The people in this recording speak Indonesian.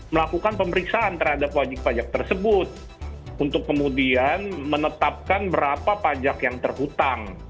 melakukan pemeriksaan terhadap wajib pajak tersebut untuk kemudian menetapkan berapa pajak yang terhutang